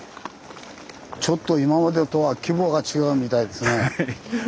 ちょっと今までとは規模が違うみたいですね。